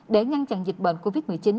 để ngăn chặn dịch bệnh covid một mươi chín